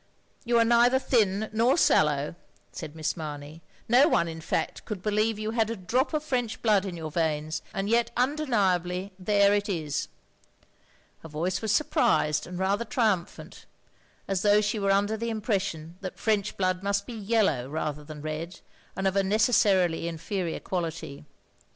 "You are neither thin nor sallow,'* said Miss Mamey. " No one in fact, could believe you had i8 THE LONELY LADY a drop of French blood in yotir veins, and yet tmdeniably, there it is." Her voice was surprised and rather triumphant, as though she were under the impression that French blood must be yellow rather than red, and of a necessarily inferior quality.